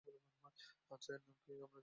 আচ্ছা, এর নাম আমরা কী দিবো?